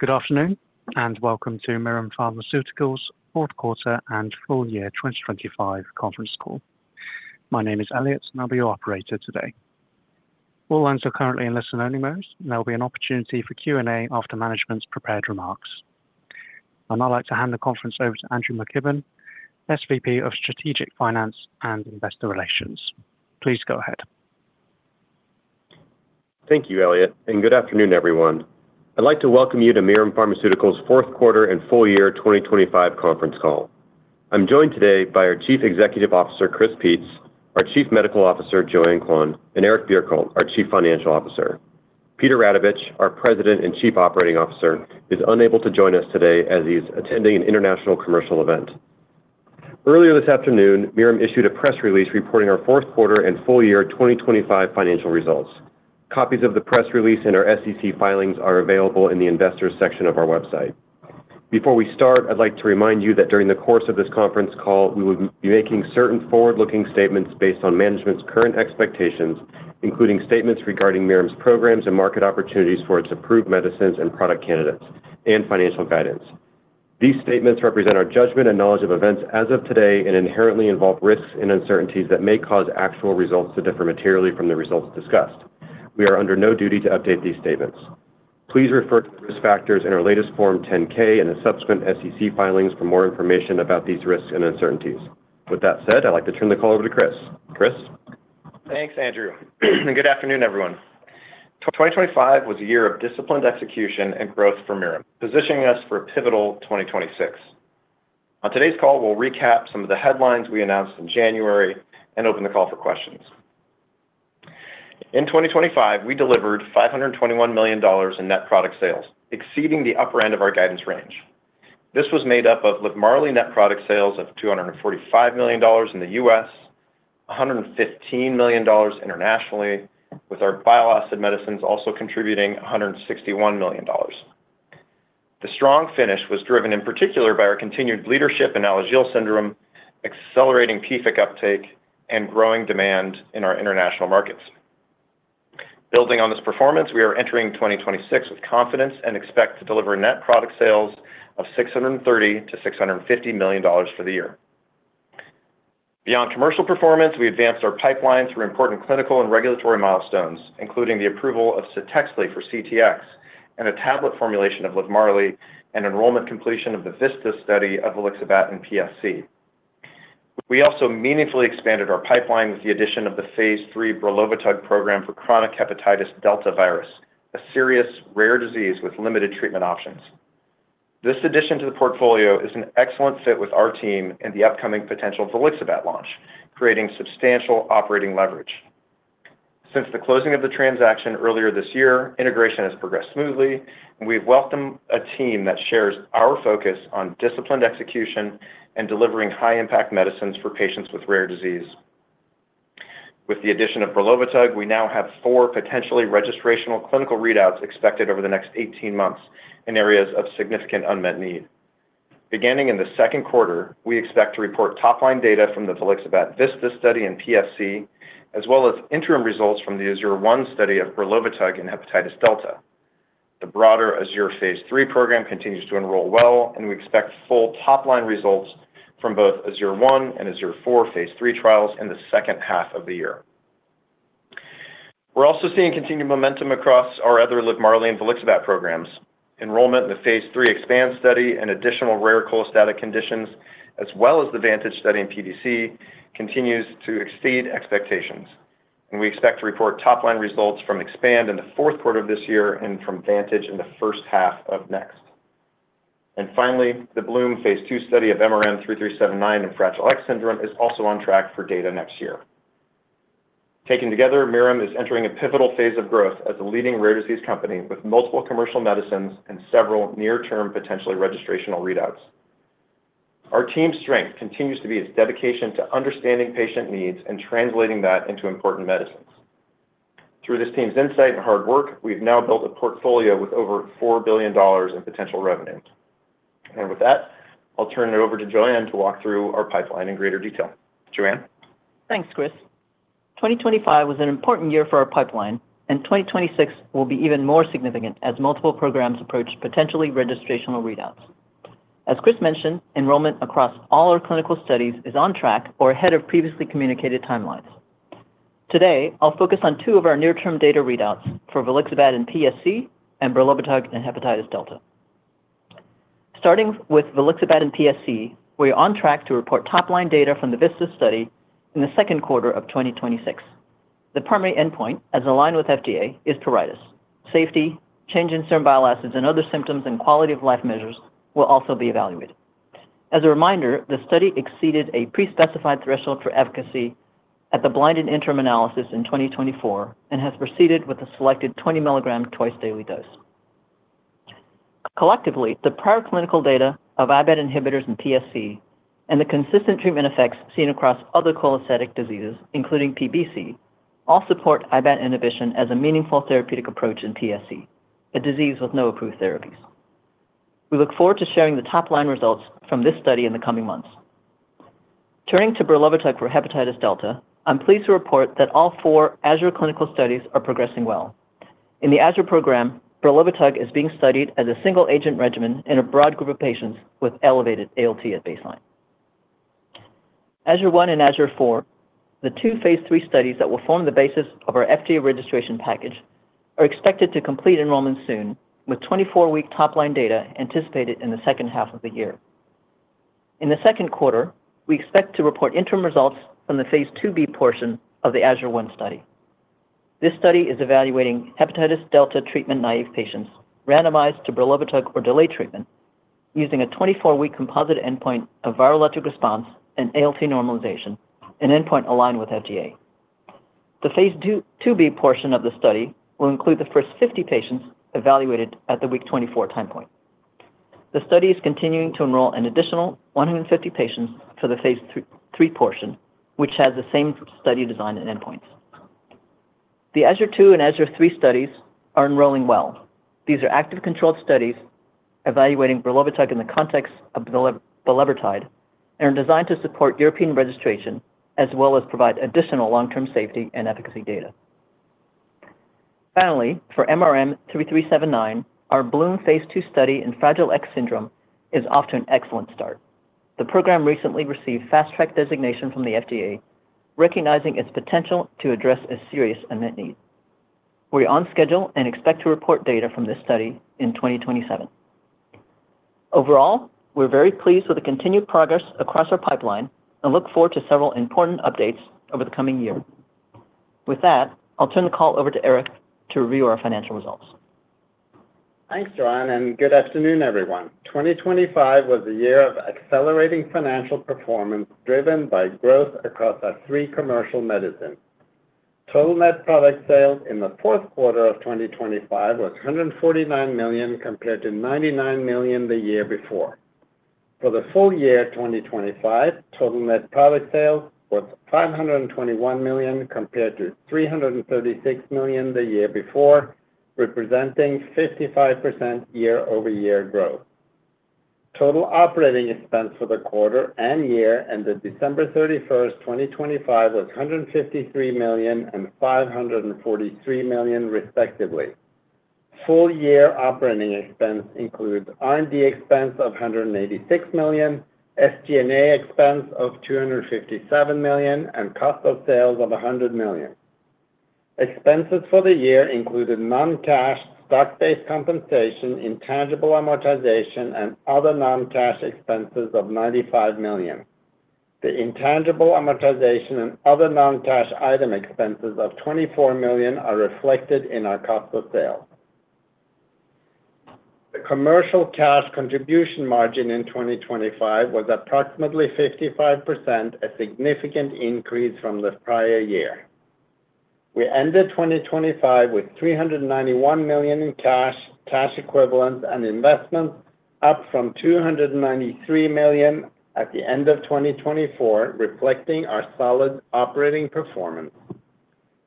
Good afternoon, and welcome to Mirum Pharmaceuticals' Fourth Quarter and Full Year 2025 Conference Call. My name is Elliot, and I'll be your operator today. All lines are currently in listen-only mode, and there'll be an opportunity for Q&A after management's prepared remarks. I'd now like to hand the conference over to Andrew McKibben, SVP of Strategic Finance and Investor Relations. Please go ahead. Thank you, Elliot, and good afternoon, everyone. I'd like to welcome you to Mirum Pharmaceuticals' fourth quarter and full year 2025 conference call. I'm joined today by our Chief Executive Officer, Chris Peetz, our Chief Medical Officer, Joanne Quan, and Eric Bjerkholt, our Chief Financial Officer. Peter Radovich, our President and Chief Operating Officer, is unable to join us today as he's attending an international commercial event. Earlier this afternoon, Mirum issued a press release reporting our fourth quarter and full year 2025 financial results. Copies of the press release and our SEC filings are available in the investors section of our website. Before we start, I'd like to remind you that during the course of this conference call, we will be making certain forward-looking statements based on management's current expectations, including statements regarding Mirum's programs and market opportunities for its approved medicines and product candidates and financial guidance. These statements represent our judgment and knowledge of events as of today and inherently involve risks and uncertainties that may cause actual results to differ materially from the results discussed. We are under no duty to update these statements. Please refer to the risk factors in our latest Form 10-K and the subsequent SEC filings for more information about these risks and uncertainties. With that said, I'd like to turn the call over to Chris. Chris? Thanks, Andrew. Good afternoon, everyone. 2025 was a year of disciplined execution and growth for Mirum, positioning us for a pivotal 2026. On today's call, we'll recap some of the headlines we announced in January and open the call for questions. In 2025, we delivered $521 million in net product sales, exceeding the upper end of our guidance range. This was made up of LIVMARLI net product sales of $245 million in the U.S., $115 million internationally, with our bile acid medicines also contributing $161 million. The strong finish was driven in particular by our continued leadership in Alagille syndrome, accelerating PFIC uptake, and growing demand in our international markets. Building on this performance, we are entering 2026 with confidence and expect to deliver net product sales of $630 million-$650 million for the year. Beyond commercial performance, we advanced our pipeline through important clinical and regulatory milestones, including the approval of CTEXLI for CTX and a tablet formulation of LIVMARLI and enrollment completion of the VISTAS study of volixibat in PSC. We also meaningfully expanded our pipeline with the addition of the phase III brelovitug program for chronic hepatitis delta virus, a serious rare disease with limited treatment options. This addition to the portfolio is an excellent fit with our team and the upcoming potential volixibat launch, creating substantial operating leverage. Since the closing of the transaction earlier this year, integration has progressed smoothly, and we've welcomed a team that shares our focus on disciplined execution and delivering high-impact medicines for patients with rare disease. With the addition of brelovitug, we now have four potentially registrational clinical readouts expected over the next 18 months in areas of significant unmet need. Beginning in the second quarter, we expect to report top-line data from the volixibat VISTAS study in PSC, as well as interim results from the AZURE-1 study of brelovitug in hepatitis delta. The broader AZURE phase III program continues to enroll well, and we expect full top-line results from both AZURE-1 and AZURE-4 phase III trials in the second half of the year. We're also seeing continued momentum across our other LIVMARLI and volixibat programs. Enrollment in the phase III EXPAND study and additional rare cholestatic conditions, as well as the VANTAGE study in PBC, continues to exceed expectations. We expect to report top-line results from EXPAND in the fourth quarter of this year and from VANTAGE in the first half of next. Finally, the BLOOM phase II study of MRM-3379 in Fragile X syndrome is also on track for data next year. Taking together, Mirum is entering a pivotal phase of growth as a leading rare disease company with multiple commercial medicines and several near-term, potentially registrational readouts. Our team's strength continues to be its dedication to understanding patient needs and translating that into important medicines. Through this team's insight and hard work, we've now built a portfolio with over $4 billion in potential revenue. With that, I'll turn it over to Joanne to walk through our pipeline in greater detail. Joanne? Thanks, Chris. 2025 was an important year for our pipeline. 2026 will be even more significant as multiple programs approach potentially registrational readouts. As Chris mentioned, enrollment across all our clinical studies is on track or ahead of previously communicated timelines. Today, I'll focus on two of our near-term data readouts for volixibat in PSC and brelovitug in hepatitis delta. Starting with volixibat in PSC, we're on track to report top-line data from the VISTAS study in the second quarter of 2026. The primary endpoint, as aligned with FDA, is pruritus. Safety, change in certain bile acids and other symptoms and quality-of-life measures will also be evaluated. As a reminder, the study exceeded a pre-specified threshold for efficacy at the blinded interim analysis in 2024 and has proceeded with a selected 20 mg twice-daily dose. Collectively, the prior clinical data of IBAT inhibitors in PSC and the consistent treatment effects seen across other cholestatic diseases, including PBC, all support IBAT inhibition as a meaningful therapeutic approach in PSC, a disease with no approved therapies. We look forward to sharing the top-line results from this study in the coming months. Turning to brelovitug for hepatitis delta, I'm pleased to report that all four AZURE clinical studies are progressing well. In the AZURE program, brelovitug is being studied as a single agent regimen in a broad group of patients with elevated ALT at baseline. AZURE 1 and AZURE 4, the two phase III studies that will form the basis of our FDA registration package, are expected to complete enrollment soon, with 24-week top-line data anticipated in the second half of the year. In the second quarter, we expect to report interim results from the phase II-B portion of the AZURE-1 study. This study is evaluating hepatitis delta treatment-naive patients randomized to brelovitug or delay treatment using a 24-week composite endpoint of virologic response and ALT normalization, an endpoint aligned with FDA. The phase II-B portion of the study will include the first 50 patients evaluated at the week 24 time point. The study is continuing to enroll an additional 150 patients for the phase III portion, which has the same study design and endpoints. The AZURE 2 and AZURE 3 studies are enrolling well. These are active, controlled studies evaluating brelovitug in the context of bulevirtide and are designed to support European registration, as well as provide additional long-term safety and efficacy data. For MRM-3379, our BLOOM phase II study in Fragile X syndrome is off to an excellent start. The program recently received Fast Track designation from the FDA, recognizing its potential to address a serious unmet need. We're on schedule and expect to report data from this study in 2027. We're very pleased with the continued progress across our pipeline and look forward to several important updates over the coming year. I'll turn the call over to Eric to review our financial results. Thanks, John. Good afternoon, everyone. 2025 was a year of accelerating financial performance, driven by growth across our three commercial medicines. Total net product sales in the fourth quarter of 2025 was $149 million, compared to $99 million the year before. For the full year of 2025, total net product sales was $521 million, compared to $336 million the year before, representing 55% year-over-year growth. Total operating expense for the quarter and year ended December 31st, 2025, was $153 million and $543 million respectively. Full year operating expense includes R&D expense of $186 million, SG&A expense of $257 million, and cost of sales of $100 million. Expenses for the year included non-cash, stock-based compensation, intangible amortization, and other non-cash expenses of $95 million. The intangible amortization and other non-cash item expenses of $24 million are reflected in our cost of sales. The commercial cash contribution margin in 2025 was approximately 55%, a significant increase from the prior year. We ended 2025 with $391 million in cash equivalents, and investments up from $293 million at the end of 2024, reflecting our solid operating performance.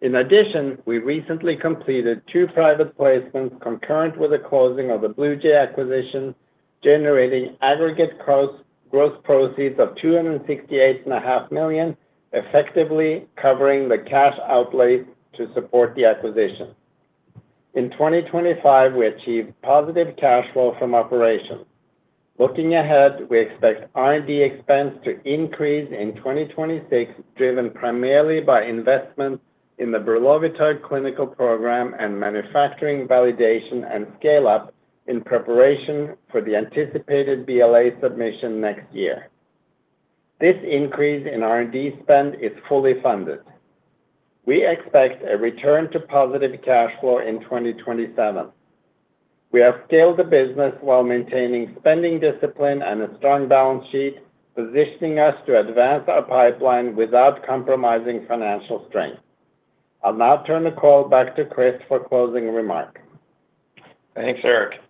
In addition, we recently completed two private placements concurrent with the closing of the Bluejay acquisition, generating aggregate gross proceeds of $268 and a half million, effectively covering the cash outlay to support the acquisition. In 2025, we achieved positive cash flow from operations. Looking ahead, we expect R&D expense to increase in 2026, driven primarily by investments in the brelovitug clinical program and manufacturing, validation, and scale-up in preparation for the anticipated BLA submission next year. This increase in R&D spend is fully funded. We expect a return to positive cash flow in 2027. We have scaled the business while maintaining spending discipline and a strong balance sheet, positioning us to advance our pipeline without compromising financial strength. I'll now turn the call back to Chris for closing remarks. Thanks, Eric.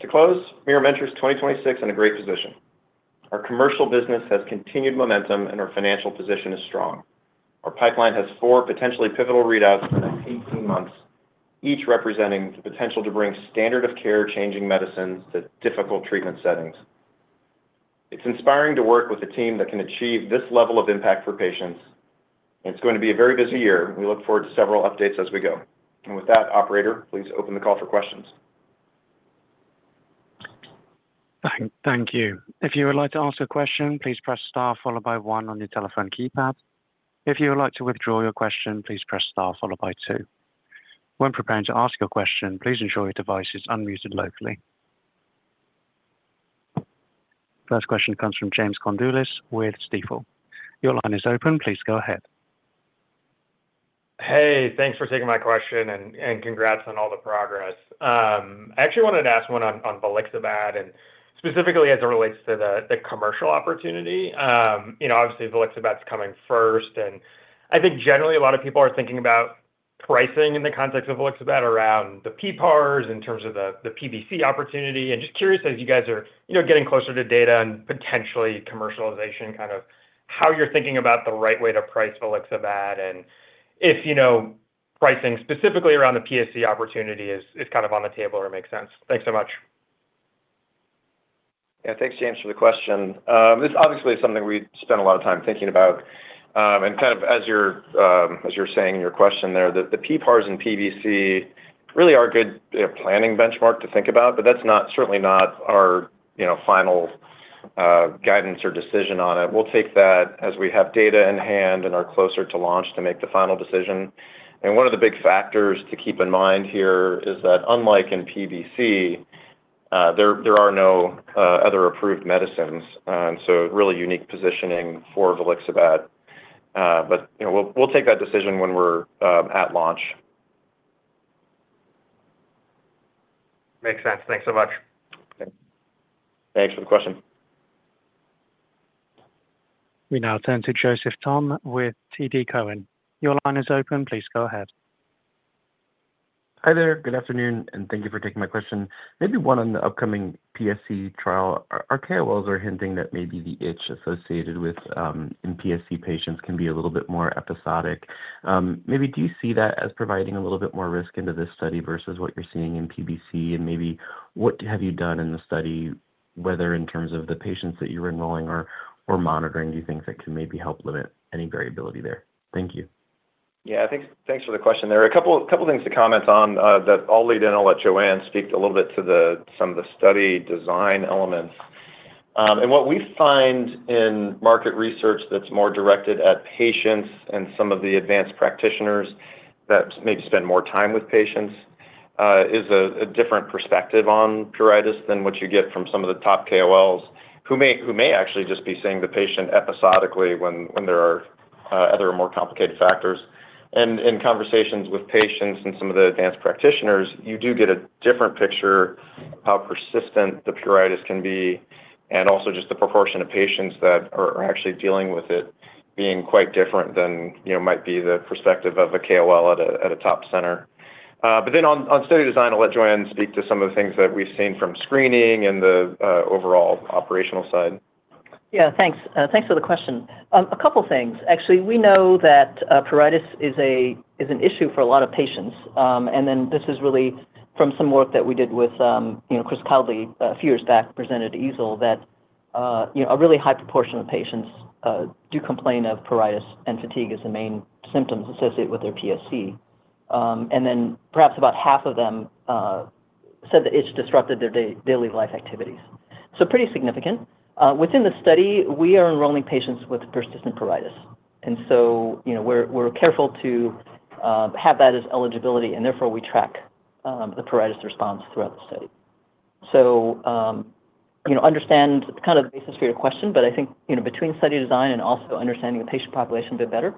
To close, Mirum's 2026 is in a great position. Our commercial business has continued momentum, and our financial position is strong. Our pipeline has four potentially pivotal readouts in the next 18 months, each representing the potential to bring standard-of-care, changing medicines to difficult treatment settings. It's inspiring to work with a team that can achieve this level of impact for patients. It's going to be a very busy year. We look forward to several updates as we go. With that, operator, please open the call for questions. Thank you. If you would like to ask a question, please press star followed by one on your telephone keypad. If you would like to withdraw your question, please press star followed by two. When preparing to ask your question, please ensure your device is unmuted locally. First question comes from James Condulis with Stifel. Your line is open. Please go ahead. Hey, thanks for taking my question and congrats on all the progress. I actually wanted to ask one on volixibat, and specifically as it relates to the commercial opportunity. You know, obviously, volixibat is coming first, and I think generally a lot of people are thinking about pricing in the context of volixibat around the PPARs, in terms of the PBC opportunity, and just curious, as you guys are, you know, getting closer to data and potentially commercialization, kind of how you're thinking about the right way to price volixibat, and if you know, pricing specifically around the PSC opportunity is kind of on the table or makes sense? Thanks so much. Yeah, thanks, James, for the question. This obviously is something we've spent a lot of time thinking about, and kind of as you're, as you're saying in your question there, the PPARs and PBC really are a good planning benchmark to think about, but that's not, certainly not our, you know, final guidance or decision on it. We'll take that as we have data in hand and are closer to launch to make the final decision. One of the big factors to keep in mind here is that unlike in PBC, there are no other approved medicines, and so really unique positioning for volixibat. You know, we'll take that decision when we're at launch. Makes sense. Thanks so much. Okay. Thanks for the question. We now turn to Joseph Thome with TD Cowen. Your line is open. Please go ahead. Hi there. Good afternoon, and thank you for taking my question. Maybe one on the upcoming PSC trial. Our KOLs are hinting that maybe the itch associated with, in PSC patients can be a little bit more episodic. Maybe do you see that as providing a little bit more risk into this study versus what you're seeing in PBC? Maybe what have you done in the study, whether in terms of the patients that you're enrolling or monitoring, do you think that can maybe help limit any variability there? Thank you. Yeah, thanks for the question. There are a couple things to comment on that I'll lead in, I'll let Joanne speak a little bit to some of the study design elements. What we find in market research that's more directed at patients and some of the advanced practitioners that maybe spend more time with patients is a different perspective on pruritus than what you get from some of the top KOLs, who may actually just be seeing the patient episodically when there are other more complicated factors. In conversations with patients and some of the advanced practitioners, you do get a different picture of how persistent the pruritus can be, and also just the proportion of patients that are actually dealing with it being quite different than, you know, might be the perspective of a KOL at a top center. On study design, I'll let Joanne speak to some of the things that we've seen from screening and the overall operational side. Thanks. Thanks for the question. A couple of things. Actually, we know that pruritus is an issue for a lot of patients. This is really from some work that we did with, you know, Kris Kowdley a few years back, presented EASL that, you know, a really high proportion of patients do complain of pruritus and fatigue as the main symptoms associated with their PSC. Perhaps about half of them said that it's disrupted their daily life activities. Pretty significant. Within the study, we are enrolling patients with persistent pruritus. You know, we're careful to have that as eligibility, therefore, we track the pruritus response throughout the study. you know, understand the kind of basis for your question, but I think, you know, between study design and also understanding the patient population a bit better,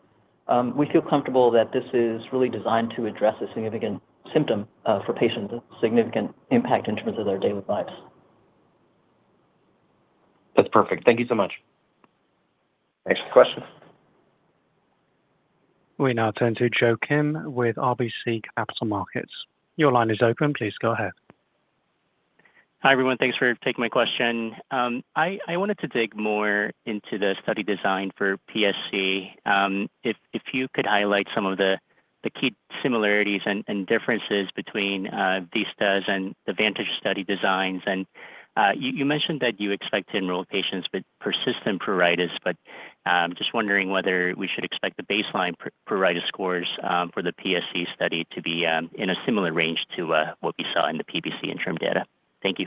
we feel comfortable that this is really designed to address a significant symptom for patients, a significant impact in terms of their daily lives. That's perfect. Thank you so much. Thanks for the question. We now turn to Joe Kim with RBC Capital Markets. Your line is open. Please go ahead. Hi, everyone. Thanks for taking my question. I wanted to dig more into the study design for PSC. If you could highlight some of the key similarities and differences between VISTAS and the VANTAGE study designs. You mentioned that you expect to enroll patients with persistent pruritus, but just wondering whether we should expect the baseline pruritus scores for the PSC study to be in a similar range to what we saw in the PBC interim data. Thank you.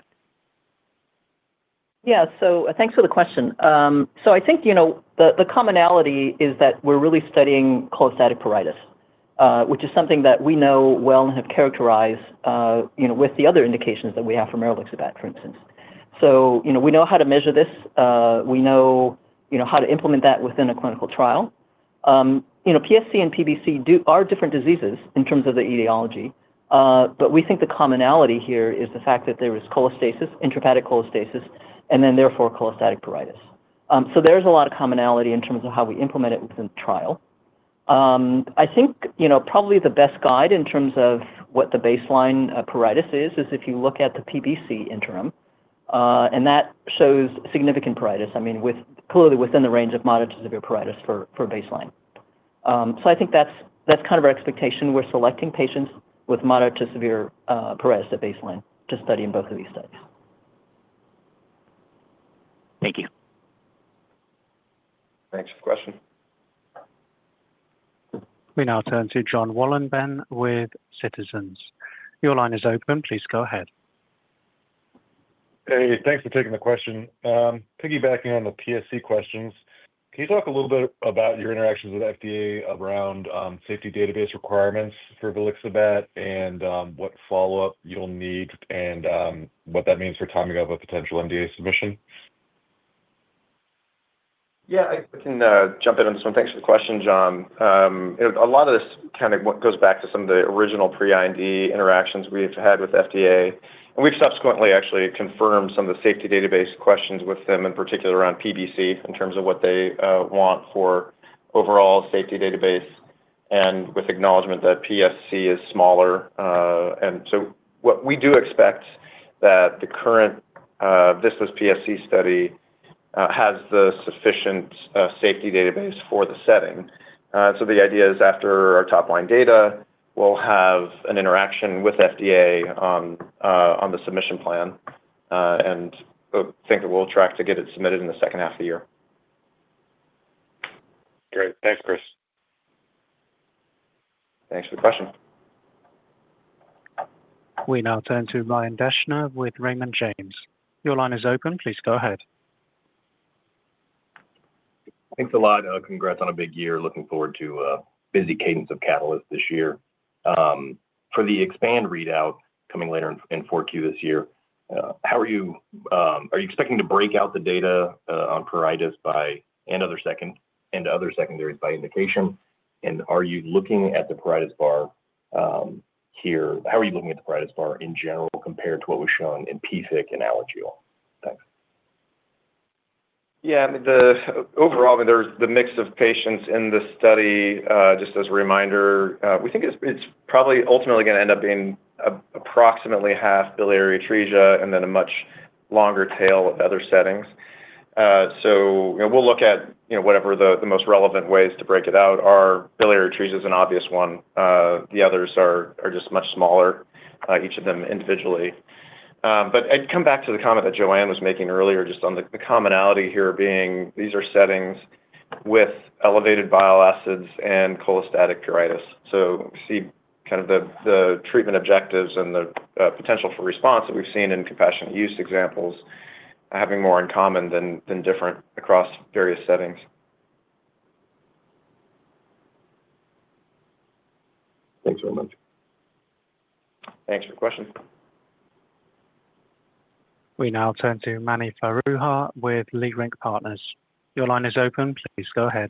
Yeah. Thanks for the question. I think, you know, the commonality is that we're really studying cholestatic pruritus, which is something that we know well and have characterized, you know, with the other indications that we have for maralixibat, for instance. You know, we know how to measure this. We know, you know, how to implement that within a clinical trial. You know, PSC and PBC are different diseases in terms of the etiology, but we think the commonality here is the fact that there is cholestasis, intrahepatic cholestasis, and then therefore, cholestatic pruritus. There's a lot of commonality in terms of how we implement it within the trial. I think, you know, probably the best guide in terms of what the baseline pruritus is if you look at the PBC interim, and that shows significant pruritus, I mean, with clearly within the range of moderate to severe pruritus for baseline. I think that's kind of our expectation. We're selecting patients with moderate to severe pruritus at baseline to study in both of these studies. Thank you. Thanks for the question. We now turn to Jon Wolleben with Citizens. Your line is open. Please go ahead. Hey, thanks for taking the question. Piggybacking on the PSC questions, can you talk a little bit about your interactions with FDA around safety database requirements for volixibat and what follow-up you'll need and what that means for timing of a potential NDA submission? Yeah, I can jump in on this one. Thanks for the question, Jon. A lot of this kind of goes back to some of the original pre-IND interactions we've had with FDA, and we've subsequently actually confirmed some of the safety database questions with them, in particular around PBC, in terms of what they want for overall safety database and with acknowledgment that PSC is smaller. What we do expect that the current VISTAS PSC study has the sufficient safety database for the setting. The idea is after our top-line data, we'll have an interaction with FDA on on the submission plan, and think that we'll track to get it submitted in the second half of the year. Great. Thanks, Chris Peetz. Thanks for the question. We now turn to Ryan Deschner with Raymond James. Your line is open. Please go ahead. Thanks a lot. Congrats on a big year. Looking forward to a busy cadence of catalysts this year. For the EXPAND readout coming later in Q4 this year, how are you expecting to break out the data on pruritus by and other secondaries by indication? Are you looking at the pruritus bar here? How are you looking at the pruritus bar in general compared to what was shown in PFIC and Alagille? Thanks. Yeah, I mean, overall, I mean, there's the mix of patients in this study, just as a reminder, we think it's probably ultimately gonna end up being approximately half biliary atresia and then a much longer tail of other settings. You know, we'll look at, you know, whatever the most relevant ways to break it out are. Biliary atresia is an obvious one. The others are just much smaller, each of them individually. I'd come back to the comment that Joanne was making earlier, just on the commonality here being these are settings with elevated bile acids and cholestatic pruritus. We see kind of the treatment objectives and the potential for response that we've seen in compassionate use examples, having more in common than different across various settings. Thanks very much. Thanks for the question. We now turn to Mani Foroohar with Leerink Partners. Your line is open. Please go ahead.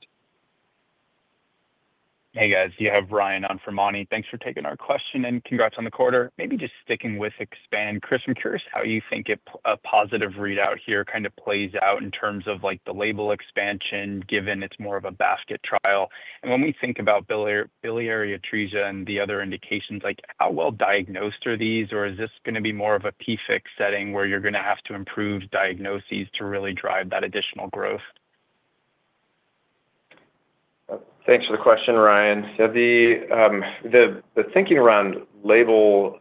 Hey, guys. You have Ryan on for Manny. Thanks for taking our question, and congrats on the quarter. Maybe just sticking with EXPAND. Chris, I'm curious how you think a positive readout here kind of plays out in terms of, like, the label expansion, given it's more of a basket trial. When we think about biliary atresia and the other indications, like, how well diagnosed are these? Or is this gonna be more of a PFIC setting where you're gonna have to improve diagnoses to really drive that additional growth? Thanks for the question, Ryan. The thinking around label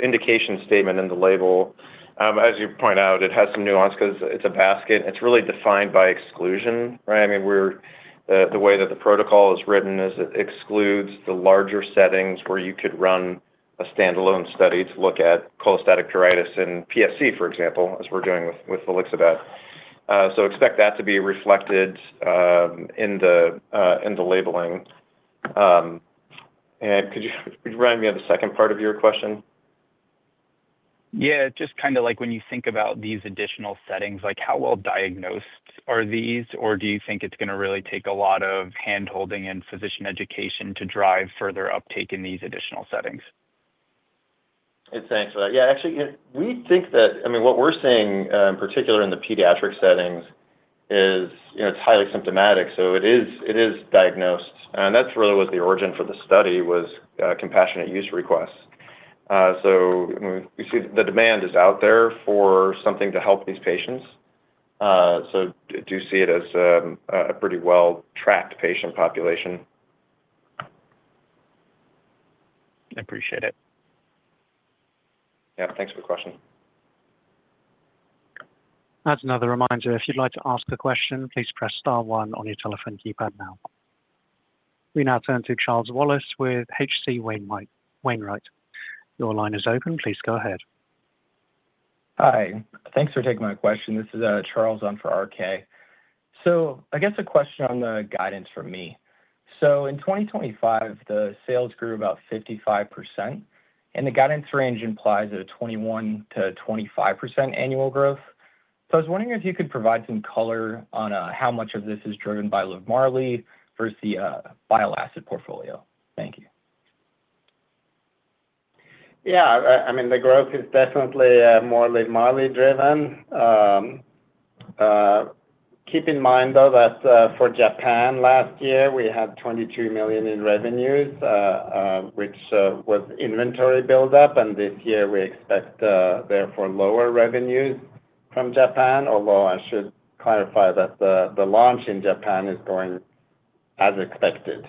indication statement in the label, as you point out, it has some nuance because it's a basket. It's really defined by exclusion, right? I mean, we're the way that the protocol is written is it excludes the larger settings where you could run a standalone study to look at cholestatic pruritus and PSC, for example, as we're doing with volixibat. Expect that to be reflected in the labeling. Could you remind me of the second part of your question? Yeah, just kinda like when you think about these additional settings, like, how well diagnosed are these? Do you think it's gonna really take a lot of hand-holding and physician education to drive further uptake in these additional settings? Thanks for that. Actually, we think that I mean, what we're seeing, in particular in the pediatric settings is, you know, it's highly symptomatic, so it is diagnosed, and that's really was the origin for the study was compassionate use requests. We see the demand is out there for something to help these patients. Do see it as a pretty well-tracked patient population. I appreciate it. Yeah. Thanks for the question. As another reminder, if you'd like to ask a question, please press star one on your telephone keypad now. We now turn to Charles Wallace with H.C. Wainwright. Your line is open. Please go ahead. Hi. Thanks for taking my question. This is Charles on for R.K. I guess a question on the guidance from me. In 2025, the sales grew about 55%, and the guidance range implies a 21%-25% annual growth. I was wondering if you could provide some color on how much of this is driven by LIVMARLI versus the bile acid portfolio. Thank you. I mean, the growth is definitely more LIVMARLI driven. Keep in mind, though, that for Japan last year, we had $22 million in revenues, which was inventory buildup, and this year we expect therefore, lower revenues from Japan. I should clarify that the launch in Japan is going as expected.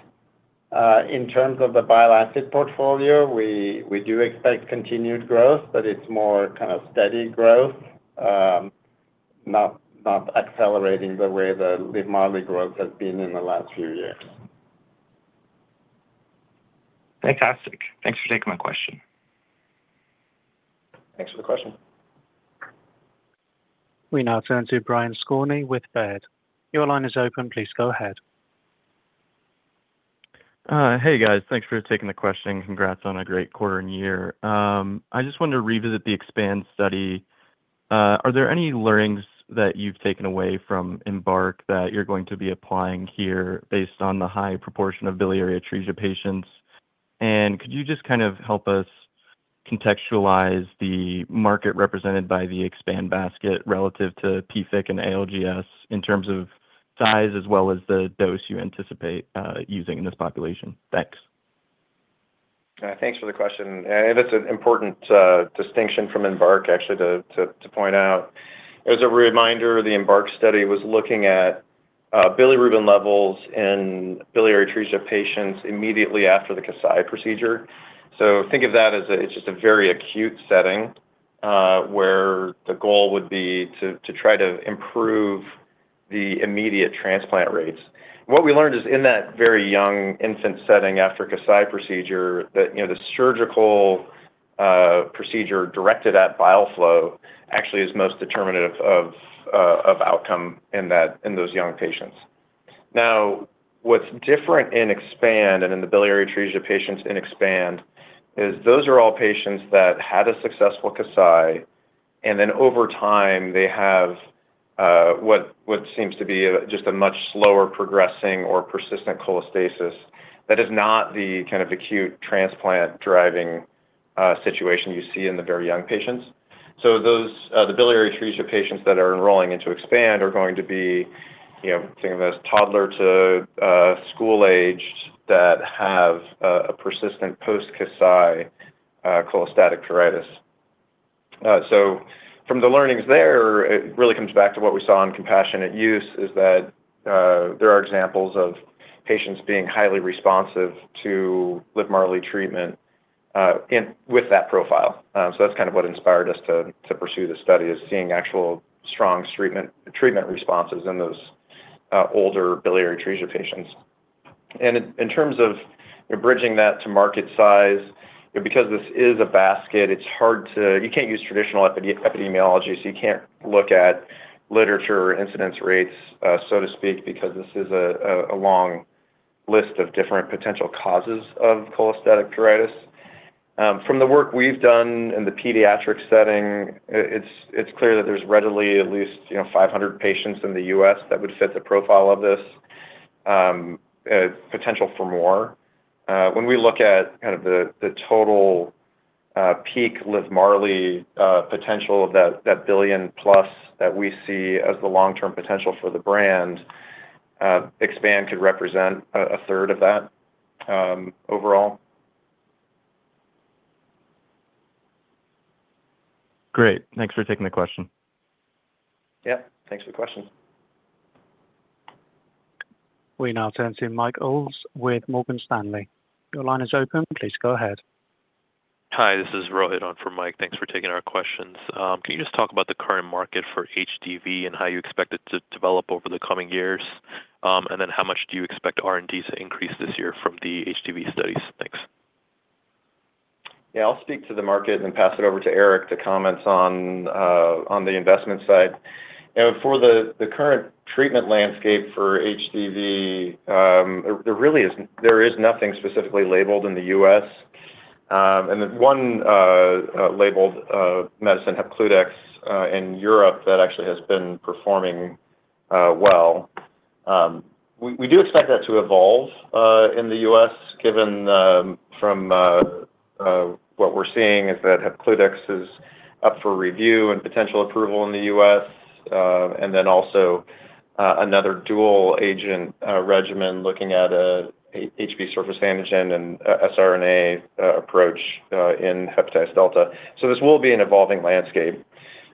In terms of the bile acid portfolio, we do expect continued growth, but it's more kind of steady growth, not accelerating the way the LIVMARLI growth has been in the last few years. Fantastic. Thanks for taking my question. Thanks for the question. We now turn to Brian Skorney with Baird. Your line is open. Please go ahead. Hey, guys. Thanks for taking the question, and congrats on a great quarter and year. I just wanted to revisit the EXPAND study. Are there any learnings that you've taken away from EMBARK that you're going to be applying here based on the high proportion of biliary atresia patients? Could you just kind of help us contextualize the market represented by the EXPAND basket relative to PFIC and ALGS in terms of size, as well as the dose you anticipate using in this population? Thanks. Thanks for the question, and it's an important distinction from EMBARK, actually, to point out. As a reminder, the EMBARK study was looking at bilirubin levels in biliary atresia patients immediately after the Kasai procedure. Think of that as a, it's just a very acute setting where the goal would be to try to improve the immediate transplant rates. What we learned is in that very young infant setting after Kasai procedure, that, you know, the surgical procedure directed at bile flow actually is most determinative of outcome in those young patients. What's different in EXPAND and in the biliary atresia patients in EXPAND is those are all patients that had a successful Kasai, and then over time, they have what seems to be just a much slower progressing or persistent cholestasis. That is not the kind of acute transplant-driving, situation you see in the very young patients. Those, the biliary atresia patients that are enrolling into EXPAND are going to be, you know, think of as toddler to school-aged that have a persistent post-Kasai, cholestatic pruritus. From the learnings there, it really comes back to what we saw in compassionate use, is that there are examples of patients being highly responsive to LIVMARLI treatment, in, with that profile. That's kind of what inspired us to pursue this study, is seeing actual strong treatment responses in those older biliary atresia patients. In, in terms of bridging that to market size, because this is a basket, it's hard to you can't use traditional epidemiology. You can't look at literature or incidence rates, so to speak, because this is a long list of different potential causes of cholestatic pruritus. From the work we've done in the pediatric setting, it's clear that there's readily at least, you know, 500 patients in the U.S. that would fit the profile of this potential for more. When we look at kind of the total peak LIVMARLI potential, that $1 billion-plus that we see as the long-term potential for the brand, EXPAND could represent a third of that overall. Great. Thanks for taking the question. Yeah. Thanks for the question. We now turn to Mike Ulz with Morgan Stanley. Your line is open. Please go ahead. Hi, this is Rohit on for Mike. Thanks for taking our questions. Can you just talk about the current market for HDV and how you expect it to develop over the coming years? How much do you expect R&D to increase this year from the HDV studies? Thanks. Yeah, I'll speak to the market and then pass it over to Eric to comment on the investment side. For the current treatment landscape for HDV, there really is nothing specifically labeled in the U.S. One labeled medicine, Hepcludex, in Europe that actually has been performing well. We do expect that to evolve in the U.S., given from what we're seeing is that Hepcludex is up for review and potential approval in the U.S., then also another dual agent regimen looking at a HBsAg surface antigen and siRNA approach in hepatitis delta. This will be an evolving landscape,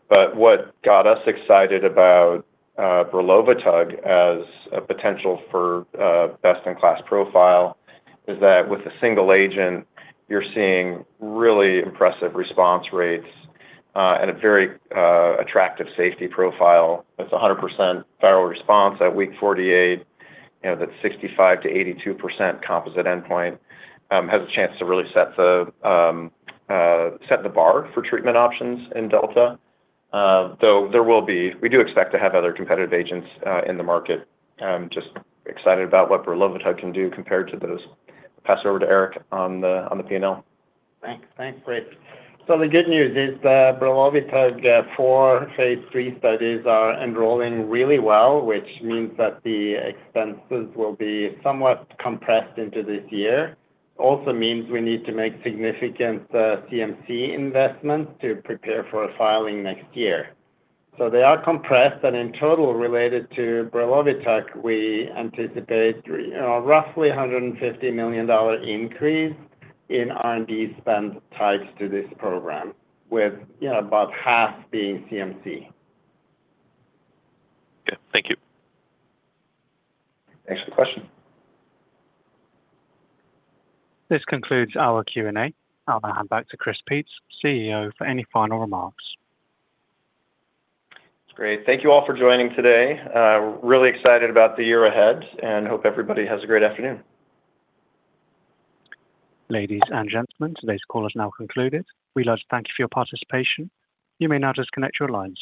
but what got us excited about brelovitug as a potential for a best-in-class profile is that with a single agent, you're seeing really impressive response rates and a very attractive safety profile. It's a 100% viral response at week 48. You know, that's 65%-82% composite endpoint, has a chance to really set the bar for treatment options in Delta. We do expect to have other competitive agents in the market. I'm just excited about what brelovitug can do compared to those. Pass over to Eric on the P&L. Thanks. Thanks, great. The good news is that brelovitug, four phase III studies are enrolling really well, which means that the expenses will be somewhat compressed into this year. Also means we need to make significant CMC investments to prepare for a filing next year. They are compressed, and in total, related to brelovitug, we anticipate, you know, roughly a $150 million increase in R&D spend tied to this program, with, you know, about half being CMC. Okay. Thank you. Thanks for the question. This concludes our Q&A. I'll now hand back to Chris Peetz, CEO, for any final remarks. Great. Thank you all for joining today. We're really excited about the year ahead and hope everybody has a great afternoon. Ladies and gentlemen, today's call is now concluded. We'd like to thank you for your participation. You may now disconnect your lines.